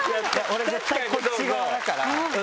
俺絶対こっち側だから。